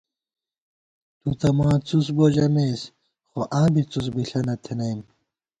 تُو تہ ماں څُس بؤ ژمېس، خو آں بی څُس بِݪہ نہ تھنَئیم